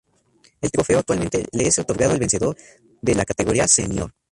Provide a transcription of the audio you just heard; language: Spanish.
El trofeo actualmente le es otorgado el vencedor de la categoría Senior.